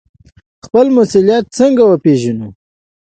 خپل مسوولیت څنګه وپیژنو؟